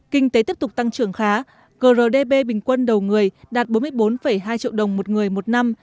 kinh tế tiếp tục tăng trưởng khá grdp bình quân đầu người đạt bốn mươi bốn hai triệu đồng một người một năm